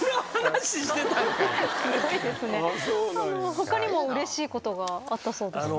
他にもうれしいことがあったそうですね。